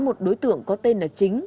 một đối tượng có tên là chính